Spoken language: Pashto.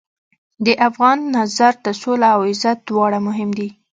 د افغان نظر ته سوله او عزت دواړه مهم دي.